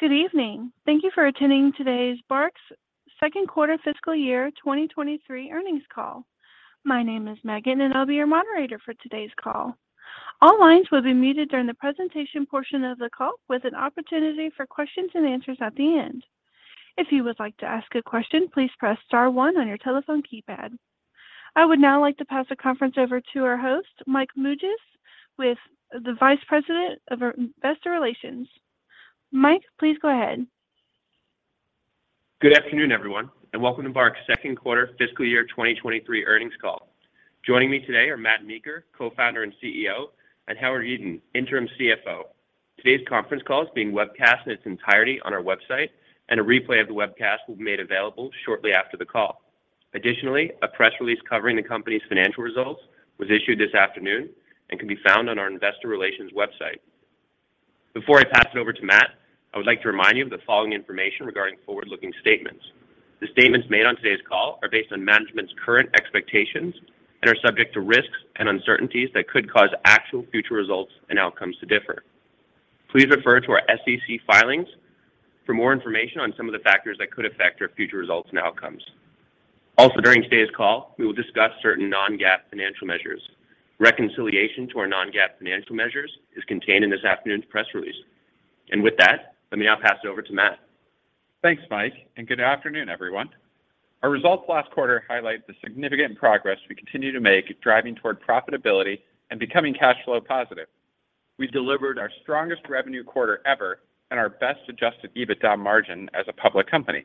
Good evening. Thank you for attending today's BARK's second quarter fiscal year 2023 earnings call. My name is Megan, and I'll be your moderator for today's call. All lines will be muted during the presentation portion of the call with an opportunity for questions and answers at the end. If you would like to ask a question, please press star one on your telephone keypad. I would now like to pass the conference over to our host, Michael Mougias, Vice President of Investor Relations. Mike, please go ahead. Good afternoon, everyone, and welcome to BARK's second quarter fiscal year 2023 earnings call. Joining me today are Matt Meeker, Co-founder and CEO, and Howard Yeaton, Interim CFO. Today's conference call is being webcast in its entirety on our website, and a replay of the webcast will be made available shortly after the call. Additionally, a press release covering the company's financial results was issued this afternoon and can be found on our investor relations website. Before I pass it over to Matt, I would like to remind you of the following information regarding forward-looking statements. The statements made on today's call are based on management's current expectations and are subject to risks and uncertainties that could cause actual future results and outcomes to differ. Please refer to our SEC filings for more information on some of the factors that could affect our future results and outcomes. Also, during today's call, we will discuss certain non-GAAP financial measures. Reconciliation to our non-GAAP financial measures is contained in this afternoon's press release. With that, let me now pass it over to Matt. Thanks, Mike, and good afternoon, everyone. Our results last quarter highlight the significant progress we continue to make driving toward profitability and becoming cash flow positive. We delivered our strongest revenue quarter ever and our best adjusted EBITDA margin as a public company.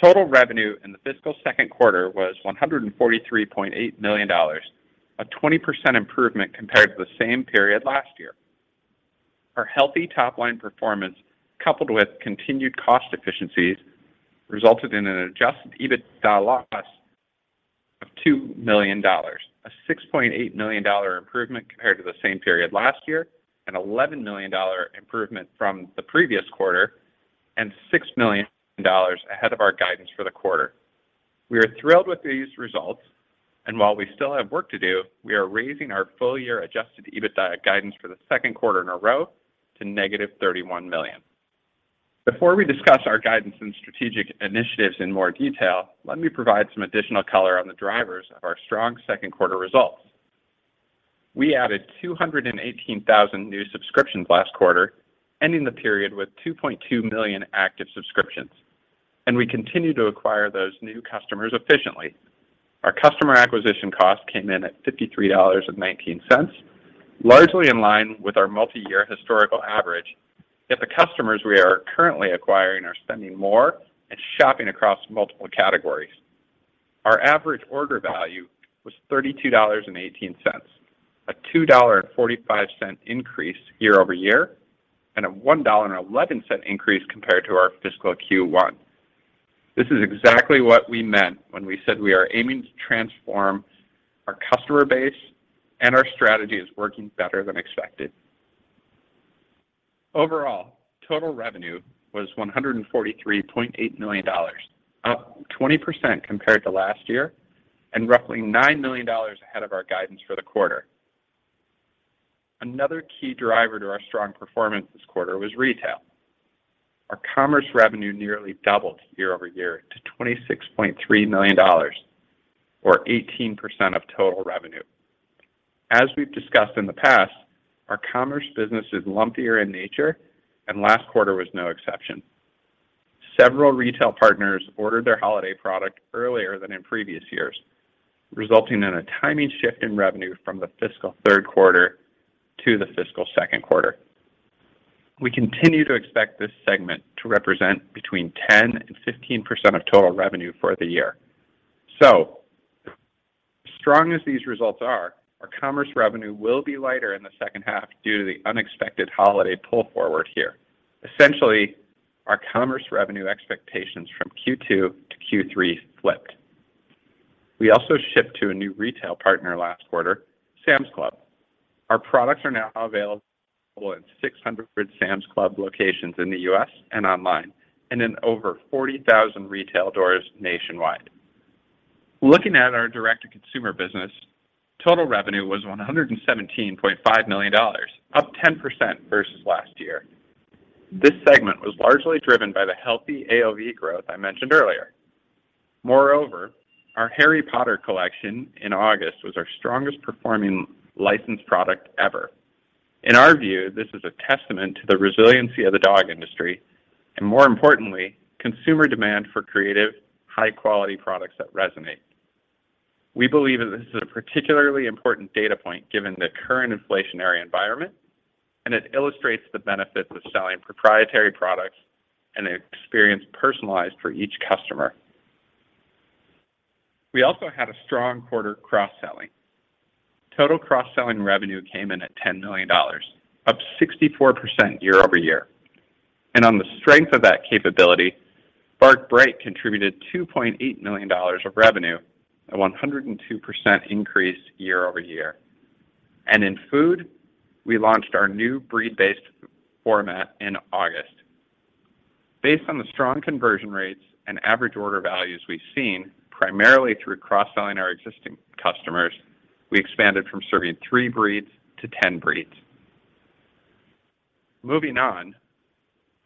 Total revenue in the fiscal second quarter was $143.8 million, a 20% improvement compared to the same period last year. Our healthy top-line performance, coupled with continued cost efficiencies, resulted in an adjusted EBITDA loss of $2 million, a $6.8 million dollar improvement compared to the same period last year, an $11 million dollar improvement from the previous quarter, and $6 million dollars ahead of our guidance for the quarter. We are thrilled with these results, and while we still have work to do, we are raising our full-year adjusted EBITDA guidance for the second quarter in a row to -$31 million. Before we discuss our guidance and strategic initiatives in more detail, let me provide some additional color on the drivers of our strong second quarter results. We added 218,000 new subscriptions last quarter, ending the period with 2.2 million active subscriptions, and we continue to acquire those new customers efficiently. Our customer acquisition cost came in at $53.19, largely in line with our multi-year historical average, yet the customers we are currently acquiring are spending more and shopping across multiple categories. Our average order value was $32.18, a $2.45 increase year-over-year, and a $1.11 increase compared to our fiscal Q1. This is exactly what we meant when we said we are aiming to transform our customer base and our strategy is working better than expected. Overall, total revenue was $143.8 million, up 20% compared to last year and roughly $9 million ahead of our guidance for the quarter. Another key driver to our strong performance this quarter was retail. Our commerce revenue nearly doubled year-over-year to $26.3 million or 18% of total revenue. As we've discussed in the past, our commerce business is lumpier in nature and last quarter was no exception. Several retail partners ordered their holiday product earlier than in previous years, resulting in a timing shift in revenue from the fiscal third quarter to the fiscal second quarter. We continue to expect this segment to represent between 10% and 15% of total revenue for the year. As strong as these results are, our commerce revenue will be lighter in the second half due to the unexpected holiday pull forward here. Essentially, our commerce revenue expectations from Q2 to Q3 flipped. We also shipped to a new retail partner last quarter, Sam's Club. Our products are now available in 600 Sam's Club locations in the U.S. and online and in over 40,000 retail doors nationwide. Looking at our direct-to-consumer business, total revenue was $117.5 million, up 10% versus last year. This segment was largely driven by the healthy AOV growth I mentioned earlier. Moreover, our Harry Potter collection in August was our strongest performing licensed product ever. In our view, this is a testament to the resiliency of the dog industry and, more importantly, consumer demand for creative, high-quality products that resonate. We believe that this is a particularly important data point given the current inflationary environment, and it illustrates the benefits of selling proprietary products and an experience personalized for each customer. We also had a strong quarter cross-selling. Total cross-selling revenue came in at $10 million, up 64% year-over-year. On the strength of that capability, BARK Bright contributed $2.8 million of revenue, a 102% increase year-over-year. In food, we launched our new breed-based format in August. Based on the strong conversion rates and average order values we've seen, primarily through cross-selling our existing customers, we expanded from serving three breeds to 10 breeds. Moving on,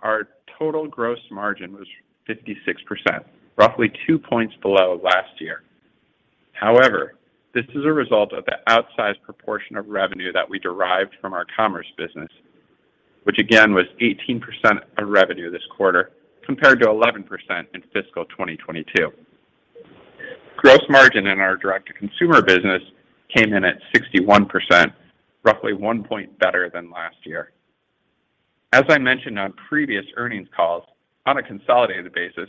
our total gross margin was 56%, roughly two points below last year. However, this is a result of the outsized proportion of revenue that we derived from our commerce business, which again was 18% of revenue this quarter, compared to 11% in fiscal 2022. Gross margin in our direct-to-consumer business came in at 61%, roughly one point better than last year. As I mentioned on previous earnings calls, on a consolidated basis,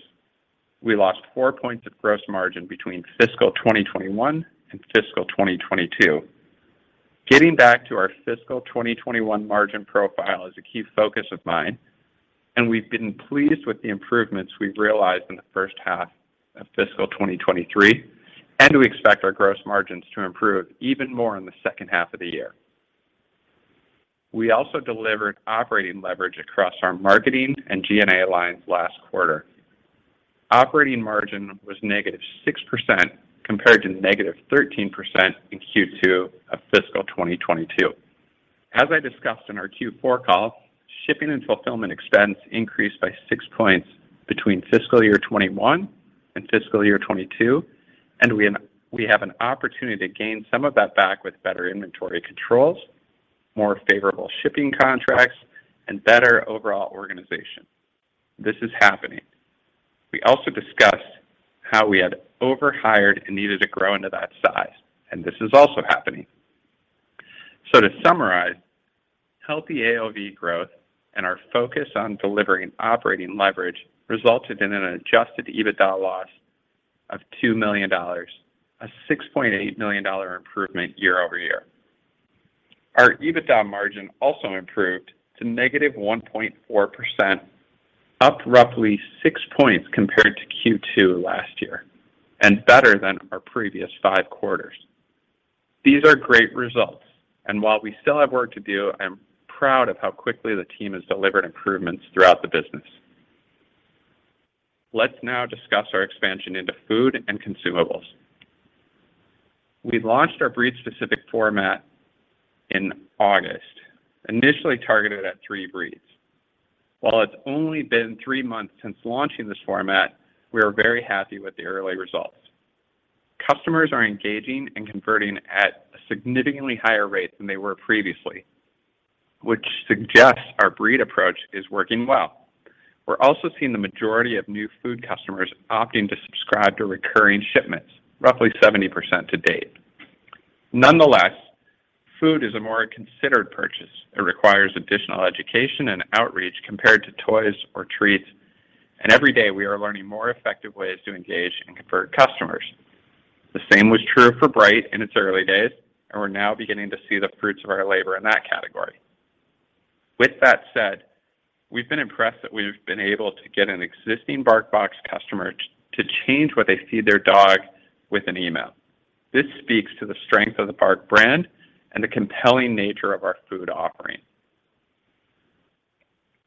we lost four points of gross margin between fiscal 2021 and fiscal 2022. Getting back to our fiscal 2021 margin profile is a key focus of mine, and we've been pleased with the improvements we've realized in the first half of fiscal 2023, and we expect our gross margins to improve even more in the second half of the year. We also delivered operating leverage across our marketing and G&A lines last quarter. Operating margin was negative 6% compared to negative 13% in Q2 of fiscal 2022. As I discussed in our Q4 call, shipping and fulfillment expense increased by 6 points between fiscal year 2021 and fiscal year 2022, and we have an opportunity to gain some of that back with better inventory controls, more favorable shipping contracts, and better overall organization. This is happening. We also discussed how we had overhired and needed to grow into that size, and this is also happening. To summarize, healthy AOV growth and our focus on delivering operating leverage resulted in an adjusted EBITDA loss of $2 million, a $6.8 million improvement year-over-year. Our EBITDA margin also improved to -1.4%, up roughly 6 points compared to Q2 last year, and better than our previous 5 quarters. These are great results, and while we still have work to do, I'm proud of how quickly the team has delivered improvements throughout the business. Let's now discuss our expansion into food and consumables. We launched our breed-specific format in August, initially targeted at 3 breeds. While it's only been 3 months since launching this format, we are very happy with the early results. Customers are engaging and converting at a significantly higher rate than they were previously, which suggests our breed approach is working well. We're also seeing the majority of new food customers opting to subscribe to recurring shipments, roughly 70% to date. Nonetheless, food is a more considered purchase. It requires additional education and outreach compared to toys or treats, and every day we are learning more effective ways to engage and convert customers. The same was true for Bright in its early days, and we're now beginning to see the fruits of our labor in that category. With that said, we've been impressed that we've been able to get an existing BarkBox customer to change what they feed their dog with an email. This speaks to the strength of the BARK brand and the compelling nature of our food offering.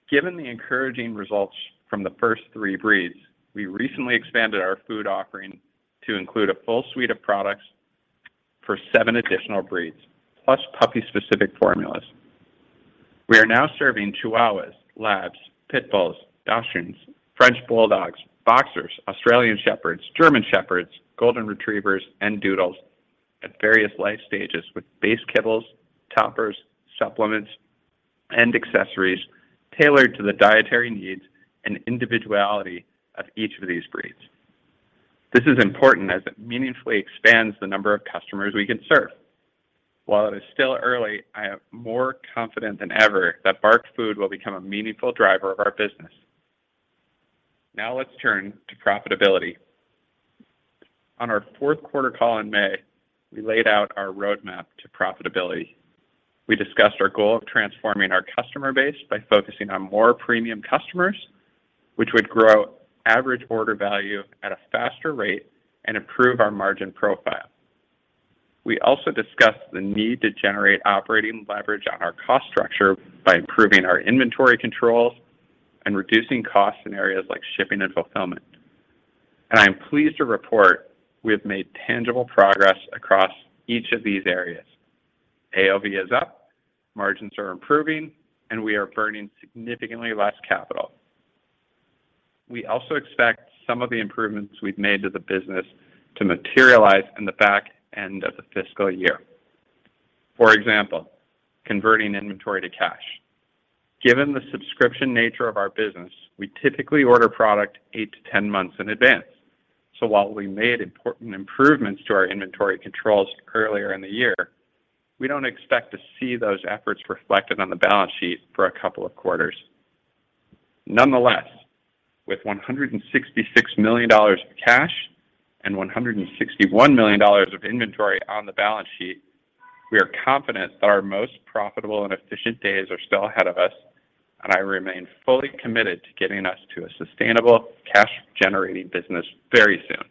Given the encouraging results from the first three breeds, we recently expanded our food offering to include a full suite of products for seven additional breeds, plus puppy-specific formulas. We are now serving Chihuahuas, Labs, Pit Bulls, Dachshunds, French Bulldogs, Boxers, Australian Shepherds, German Shepherds, Golden Retrievers, and Doodles at various life stages with base kibbles, toppers, supplements, and accessories tailored to the dietary needs and individuality of each of these breeds. This is important as it meaningfully expands the number of customers we can serve. While it is still early, I am more confident than ever that BARK Food will become a meaningful driver of our business. Now let's turn to profitability. On our fourth quarter call in May, we laid out our roadmap to profitability. We discussed our goal of transforming our customer base by focusing on more premium customers, which would grow average order value at a faster rate and improve our margin profile. We also discussed the need to generate operating leverage on our cost structure by improving our inventory controls and reducing costs in areas like shipping and fulfillment. I am pleased to report we have made tangible progress across each of these areas. AOV is up, margins are improving, and we are burning significantly less capital. We also expect some of the improvements we've made to the business to materialize in the back end of the fiscal year. For example, converting inventory to cash. Given the subscription nature of our business, we typically order product 8-10 months in advance. While we made important improvements to our inventory controls earlier in the year, we don't expect to see those efforts reflected on the balance sheet for a couple of quarters. Nonetheless, with $166 million of cash and $161 million of inventory on the balance sheet, we are confident that our most profitable and efficient days are still ahead of us, and I remain fully committed to getting us to a sustainable, cash-generating business very soon.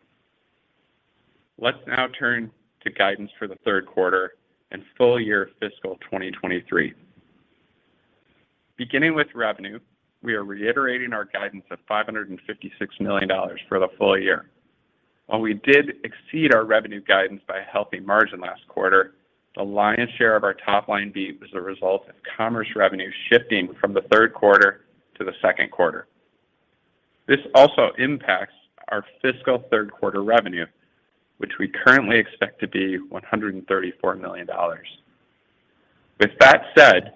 Let's now turn to guidance for the third quarter and full year fiscal 2023. Beginning with revenue, we are reiterating our guidance of $556 million for the full year. While we did exceed our revenue guidance by a healthy margin last quarter, the lion's share of our top-line beat was a result of commerce revenue shifting from the third quarter to the second quarter. This also impacts our fiscal third quarter revenue, which we currently expect to be $134 million. With that said,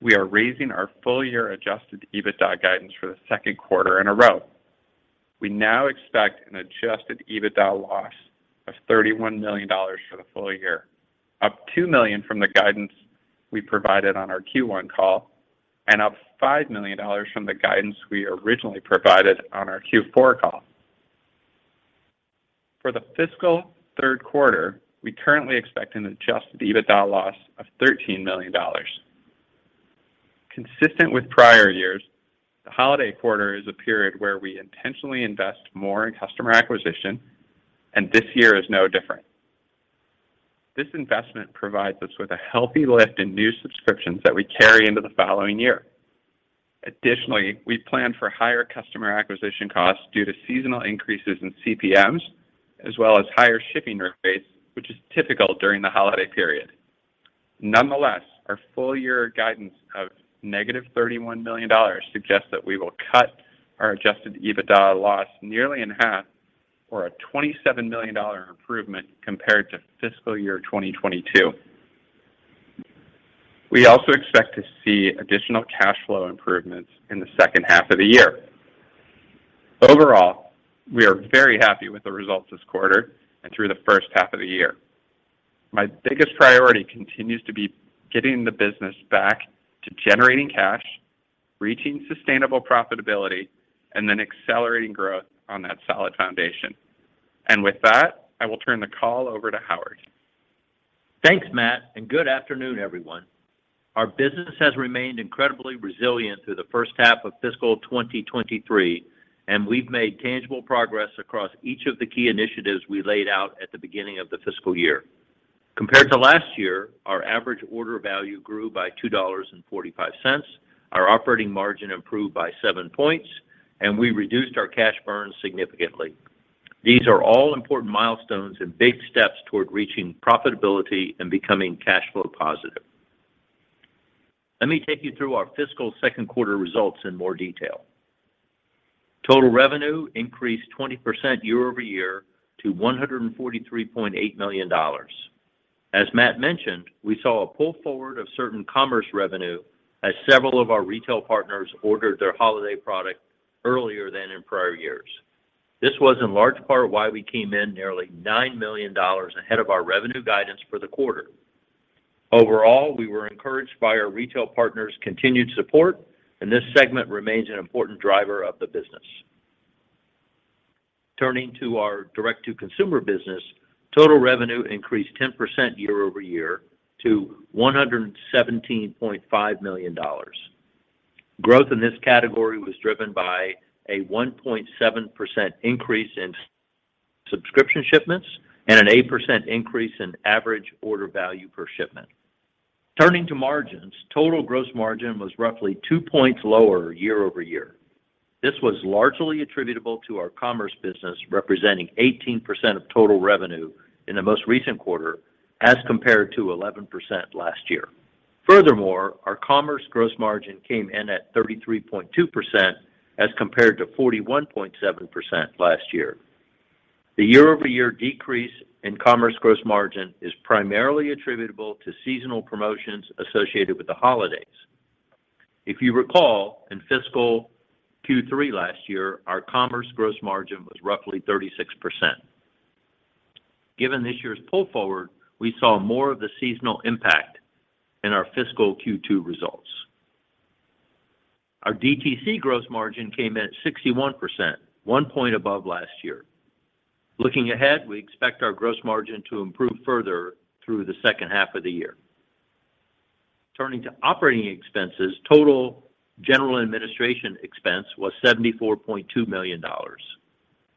we are raising our full year adjusted EBITDA guidance for the second quarter in a row. We now expect an adjusted EBITDA loss of $31 million for the full year, up $2 million from the guidance we provided on our Q1 call and up $5 million from the guidance we originally provided on our Q4 call. For the fiscal third quarter, we currently expect an adjusted EBITDA loss of $13 million. Consistent with prior years, the holiday quarter is a period where we intentionally invest more in customer acquisition, and this year is no different. This investment provides us with a healthy lift in new subscriptions that we carry into the following year. Additionally, we plan for higher customer acquisition costs due to seasonal increases in CPMs, as well as higher shipping rates, which is typical during the holiday period. Nonetheless, our full year guidance of negative $31 million suggests that we will cut our adjusted EBITDA loss nearly in half or a $27 million improvement compared to fiscal year 2022. We also expect to see additional cash flow improvements in the second half of the year. Overall, we are very happy with the results this quarter and through the first half of the year. My biggest priority continues to be getting the business back to generating cash, reaching sustainable profitability, and then accelerating growth on that solid foundation. With that, I will turn the call over to Howard. Thanks, Matt, and good afternoon, everyone. Our business has remained incredibly resilient through the first half of fiscal 2023, and we've made tangible progress across each of the key initiatives we laid out at the beginning of the fiscal year. Compared to last year, our average order value grew by $2.45, our operating margin improved by 7 points, and we reduced our cash burn significantly. These are all important milestones and big steps toward reaching profitability and becoming cash flow positive. Let me take you through our fiscal second quarter results in more detail. Total revenue increased 20% year-over-year to $143.8 million. As Matt mentioned, we saw a pull forward of certain commerce revenue as several of our retail partners ordered their holiday product earlier than in prior years. This was in large part why we came in nearly $9 million ahead of our revenue guidance for the quarter. Overall, we were encouraged by our retail partners' continued support, and this segment remains an important driver of the business. Turning to our direct-to-consumer business, total revenue increased 10% year-over-year to $117.5 million. Growth in this category was driven by a 1.7% increase in subscription shipments and an 8% increase in average order value per shipment. Turning to margins, total gross margin was roughly 2 points lower year-over-year. This was largely attributable to our commerce business, representing 18% of total revenue in the most recent quarter as compared to 11% last year. Furthermore, our commerce gross margin came in at 33.2% as compared to 41.7% last year. The year-over-year decrease in commerce gross margin is primarily attributable to seasonal promotions associated with the holidays. If you recall, in fiscal Q3 last year, our commerce gross margin was roughly 36%. Given this year's pull forward, we saw more of the seasonal impact in our fiscal Q2 results. Our DTC gross margin came in at 61%, 1% above last year. Looking ahead, we expect our gross margin to improve further through the second half of the year. Turning to operating expenses, total general administration expense was $74.2 million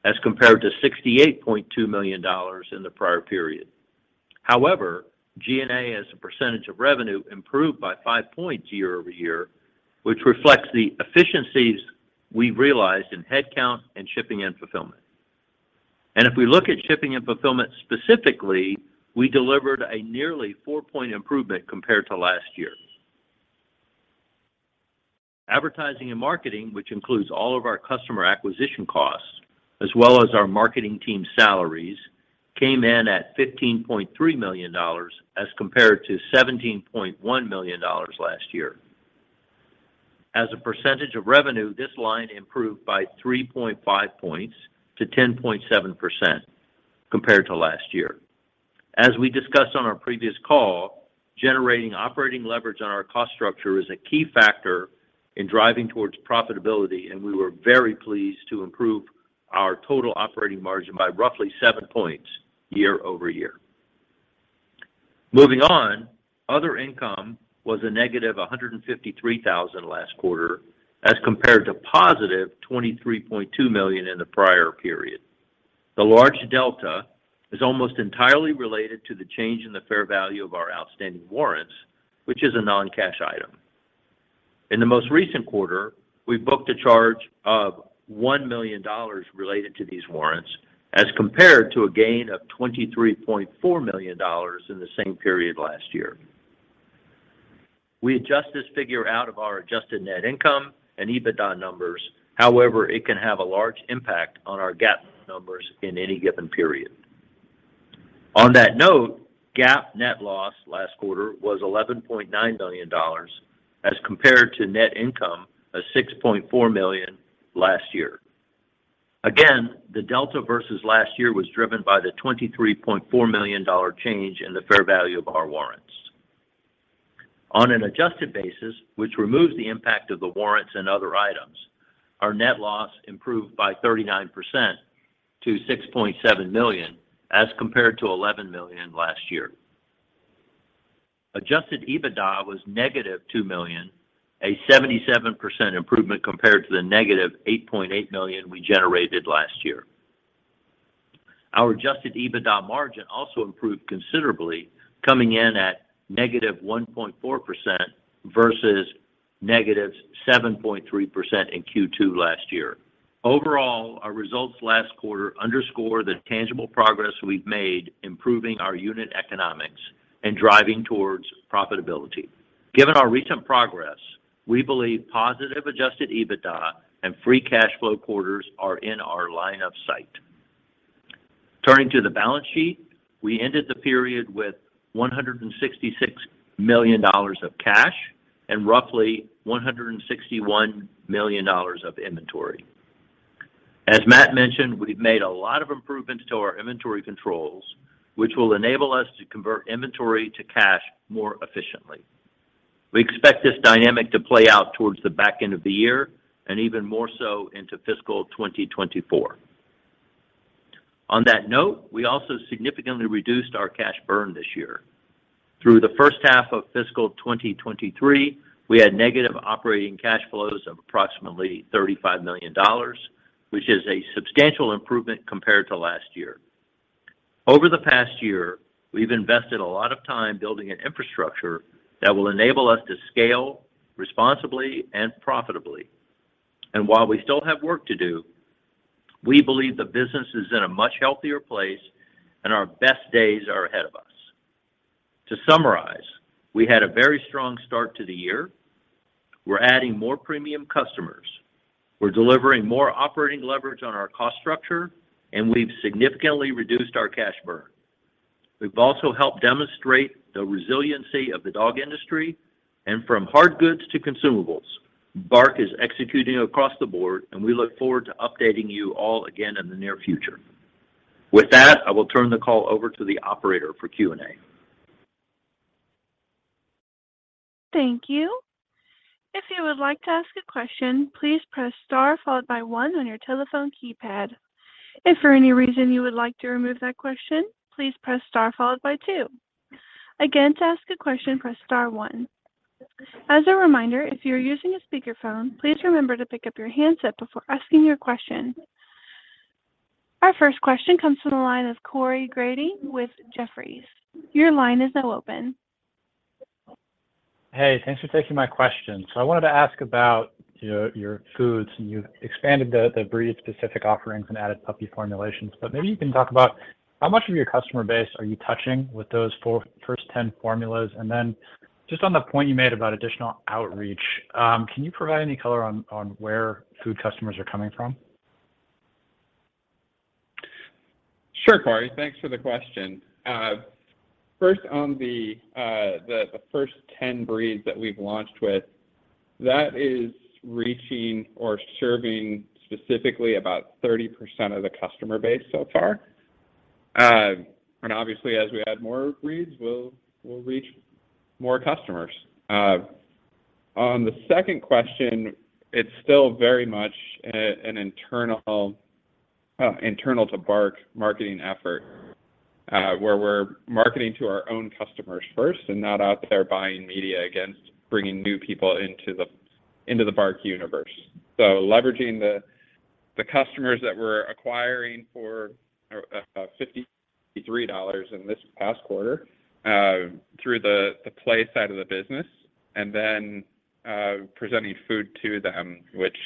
as compared to $68.2 million in the prior period. However, G&A as a percentage of revenue improved by 5 points year-over-year, which reflects the efficiencies we realized in headcount and shipping and fulfillment. If we look at shipping and fulfillment specifically, we delivered a nearly 4-point improvement compared to last year. Advertising and marketing, which includes all of our customer acquisition costs, as well as our marketing team salaries, came in at $15.3 million as compared to $17.1 million last year. As a percentage of revenue, this line improved by 3.5 points to 10.7% compared to last year. As we discussed on our previous call, generating operating leverage on our cost structure is a key factor in driving towards profitability, and we were very pleased to improve our total operating margin by roughly 7 points year-over-year. Moving on, other income was -$153,000 last quarter as compared to +$23.2 million in the prior period. The large delta is almost entirely related to the change in the fair value of our outstanding warrants, which is a non-cash item. In the most recent quarter, we booked a charge of $1 million related to these warrants as compared to a gain of $23.4 million in the same period last year. We adjust this figure out of our adjusted net income and EBITDA numbers. However, it can have a large impact on our GAAP numbers in any given period. On that note, GAAP net loss last quarter was $11.9 million as compared to net income of $6.4 million last year. Again, the delta versus last year was driven by the $23.4 million change in the fair value of our warrants. On an adjusted basis, which removes the impact of the warrants and other items, our net loss improved by 39% to $6.7 million as compared to $11 million last year. Adjusted EBITDA was -$2 million, a 77% improvement compared to the -$8.8 million we generated last year. Our adjusted EBITDA margin also improved considerably, coming in at -1.4% versus -7.3% in Q2 last year. Overall, our results last quarter underscore the tangible progress we've made improving our unit economics and driving towards profitability. Given our recent progress, we believe positive adjusted EBITDA and free cash flow quarters are in our line of sight. Turning to the balance sheet, we ended the period with $166 million of cash and roughly $161 million of inventory. As Matt mentioned, we've made a lot of improvements to our inventory controls, which will enable us to convert inventory to cash more efficiently. We expect this dynamic to play out towards the back end of the year and even more so into fiscal 2024. On that note, we also significantly reduced our cash burn this year. Through the first half of fiscal 2023, we had negative operating cash flows of approximately $35 million, which is a substantial improvement compared to last year. Over the past year, we've invested a lot of time building an infrastructure that will enable us to scale responsibly and profitably. While we still have work to do, we believe the business is in a much healthier place and our best days are ahead of us. To summarize, we had a very strong start to the year. We're adding more premium customers. We're delivering more operating leverage on our cost structure, and we've significantly reduced our cash burn. We've also helped demonstrate the resiliency of the dog industry, and from hard goods to consumables, BARK is executing across the board, and we look forward to updating you all again in the near future. With that, I will turn the call over to the operator for Q&A. Thank you. If you would like to ask a question, please press Star followed by one on your telephone keypad. If for any reason you would like to remove that question, please press Star followed by two. Again, to ask a question, press Star one. As a reminder, if you're using a speakerphone, please remember to pick up your handset before asking your question. Our first question comes from the line of Corey Grady with Jefferies. Your line is now open. Hey, thanks for taking my question. I wanted to ask about your your foods, and you've expanded the the breed-specific offerings and added puppy formulations. Maybe you can talk about how much of your customer base are you touching with those first 10 formulas. Then just on the point you made about additional outreach, can you provide any color on where food customers are coming from? Sure, Corey. Thanks for the question. First on the first 10 breeds that we've launched with, that is reaching or serving specifically about 30% of the customer base so far. Obviously, as we add more breeds, we'll reach more customers. On the second question, it's still very much an internal to BARK marketing effort, where we're marketing to our own customers first and not out there buying media against bringing new people into the BARK universe. Leveraging the customers that we're acquiring for $53 in this past quarter, through the play side of the business and then presenting food to them, which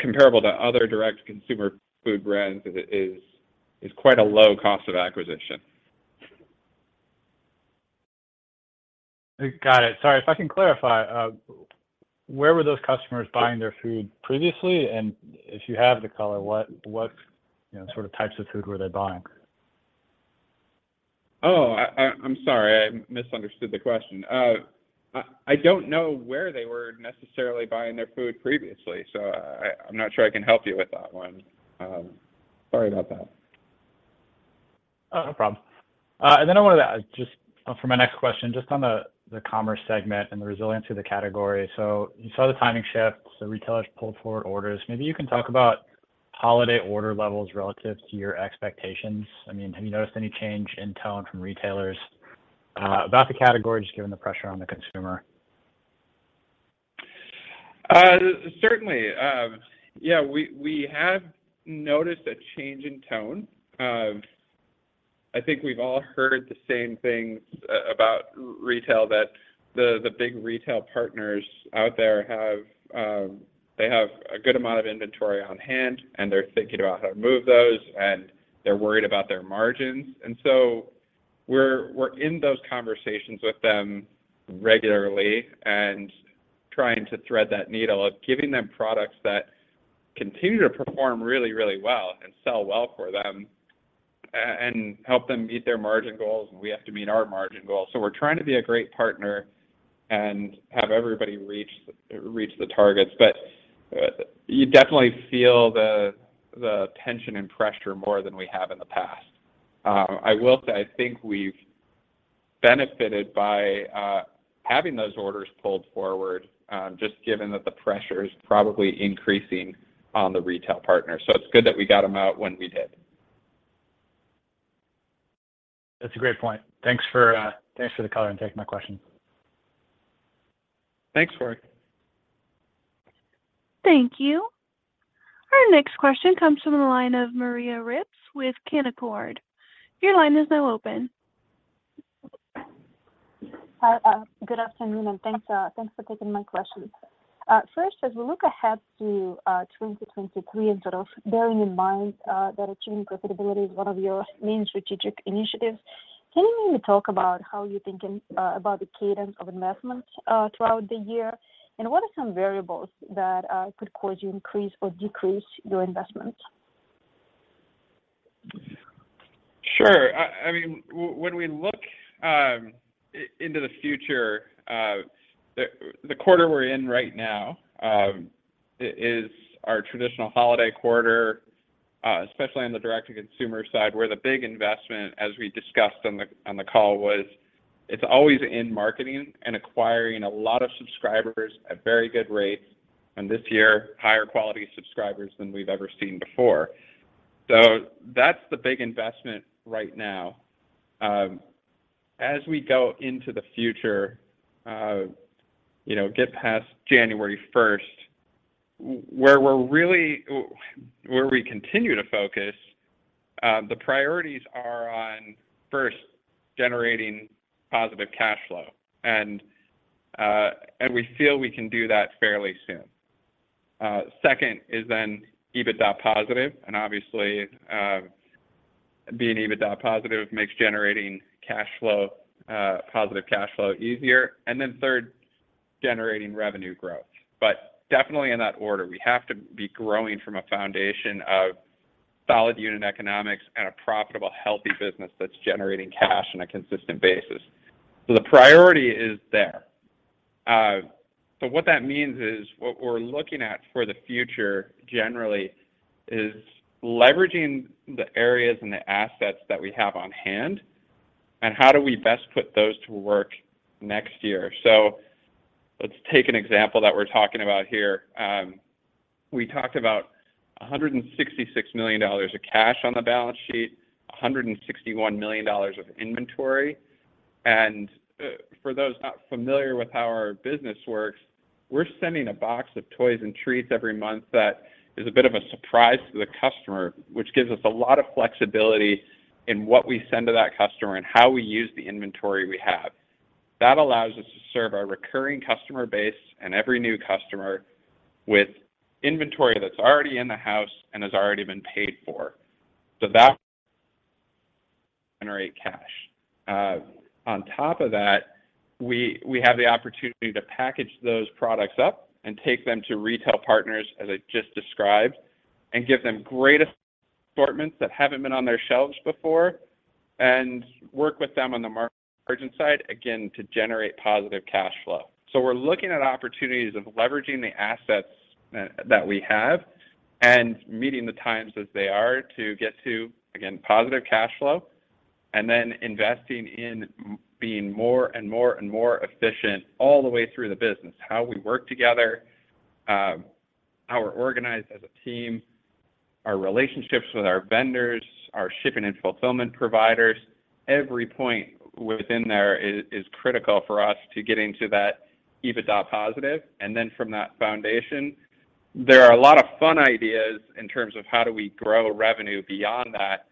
comparable to other direct-to-consumer food brands is quite a low cost of acquisition. Got it. Sorry, if I can clarify, where were those customers buying their food previously? If you have the color, what you know, sort of types of food were they buying? Oh, I'm sorry. I misunderstood the question. I don't know where they were necessarily buying their food previously, so I'm not sure I can help you with that one. Sorry about that. Oh, no problem. I wanted to ask just for my next question, just on the commerce segment and the resilience of the category. You saw the timing shifts, the retailers pulled forward orders. Maybe you can talk about holiday order levels relative to your expectations. I mean, have you noticed any change in tone from retailers about the category just given the pressure on the consumer? Certainly. Yeah, we have noticed a change in tone. I think we've all heard the same things about retail that the big retail partners out there have. They have a good amount of inventory on hand, and they're thinking about how to move those, and they're worried about their margins. We're in those conversations with them regularly and trying to thread that needle of giving them products that continue to perform really well and sell well for them and help them meet their margin goals, and we have to meet our margin goals. We're trying to be a great partner and have everybody reach the targets. You definitely feel the tension and pressure more than we have in the past. I will say, I think we've benefited by having those orders pulled forward, just given that the pressure is probably increasing on the retail partner. It's good that we got them out when we did. That's a great point. Thanks for the color and taking my question. Thanks, Corey. Thank you. Our next question comes from the line of Maria Ripps with Canaccord. Your line is now open. Hi. Good afternoon, and thanks for taking my question. First, as we look ahead to 2023 and sort of bearing in mind that achieving profitability is one of your main strategic initiatives, can you maybe talk about how you're thinking about the cadence of investments throughout the year, and what are some variables that could cause you increase or decrease your investments? Sure. I mean, when we look into the future, the quarter we're in right now is our traditional holiday quarter, especially on the direct-to-consumer side, where the big investment, as we discussed on the call, was it's always in marketing and acquiring a lot of subscribers at very good rates, and this year, higher quality subscribers than we've ever seen before. So that's the big investment right now. As we go into the future, you know, get past January first, where we continue to focus, the priorities are on, first, generating positive cash flow, and we feel we can do that fairly soon. Second is then EBITDA positive, and obviously, being EBITDA positive makes generating cash flow, positive cash flow easier. Then third, generating revenue growth. Definitely in that order, we have to be growing from a foundation of solid unit economics and a profitable, healthy business that's generating cash on a consistent basis. The priority is there. What that means is what we're looking at for the future generally is leveraging the areas and the assets that we have on hand and how do we best put those to work next year. Let's take an example that we're talking about here. We talked about $166 million of cash on the balance sheet, $161 million of inventory. For those not familiar with how our business works, we're sending a box of toys and treats every month that is a bit of a surprise to the customer, which gives us a lot of flexibility in what we send to that customer and how we use the inventory we have. That allows us to serve our recurring customer base and every new customer with inventory that's already in the house and has already been paid for. That generate cash. On top of that, we have the opportunity to package those products up and take them to retail partners, as I just described, and give them great assortments that haven't been on their shelves before and work with them on the margin side, again, to generate positive cash flow. We're looking at opportunities of leveraging the assets that we have and meeting the times as they are to get to, again, positive cash flow and then investing in being more and more and more efficient all the way through the business, how we work together, how we're organized as a team, our relationships with our vendors, our shipping and fulfillment providers. Every point within there is critical for us to getting to that EBITDA positive. From that foundation, there are a lot of fun ideas in terms of how do we grow revenue beyond that,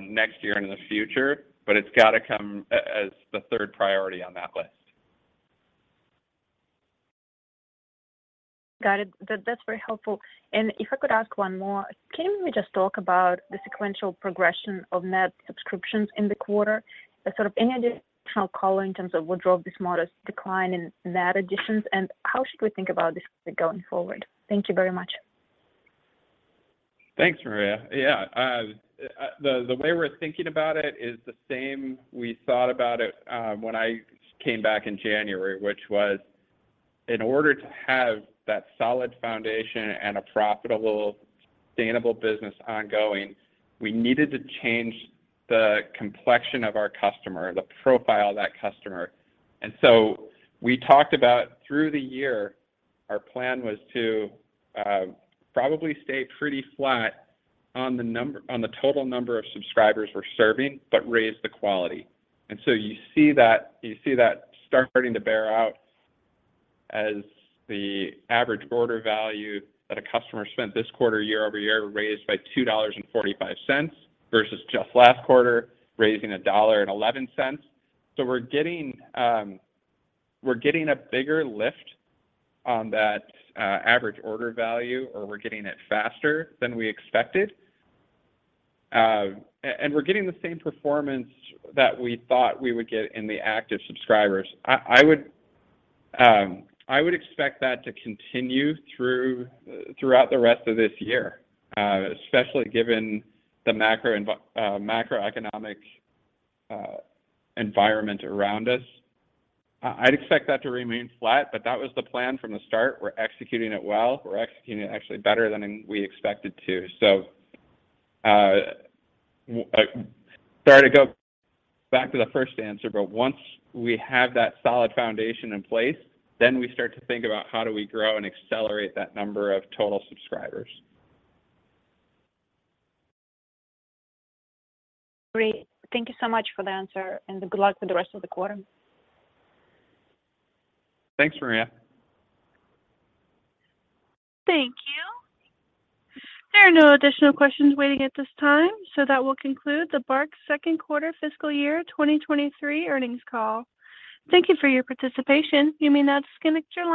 next year and in the future, but it's got to come as the third priority on that list. Got it. That's very helpful. If I could ask one more, can you maybe just talk about the sequential progression of net subscriptions in the quarter, the sort of any additional color in terms of what drove this modest decline in net additions, and how should we think about this going forward? Thank you very much. Thanks, Maria. Yeah. The way we're thinking about it is the same we thought about it, when I came back in January, which was in order to have that solid foundation and a profitable, sustainable business ongoing, we needed to change the complexion of our customer, the profile of that customer. We talked about through the year, our plan was to probably stay pretty flat on the total number of subscribers we're serving, but raise the quality. You see that starting to bear out as the average order value that a customer spent this quarter year-over-year raised by $2.45 versus just last quarter, raising $1.11. We're getting a bigger lift on that average order value, or we're getting it faster than we expected. We're getting the same performance that we thought we would get in the active subscribers. I would expect that to continue throughout the rest of this year, especially given the macroeconomic environment around us. I'd expect that to remain flat, but that was the plan from the start. We're executing it well. We're executing it actually better than we expected to. Sorry to go back to the first answer, but once we have that solid foundation in place, then we start to think about how do we grow and accelerate that number of total subscribers. Great. Thank you so much for the answer, and good luck with the rest of the quarter. Thanks, Maria. Thank you. There are no additional questions waiting at this time, so that will conclude the BARK's second quarter fiscal year 2023 earnings call. Thank you for your participation. You may now disconnect your lines.